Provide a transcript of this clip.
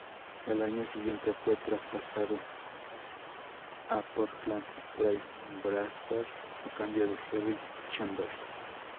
Al año siguiente fue traspasado a Portland Trail Blazers a cambio de Jerry Chambers.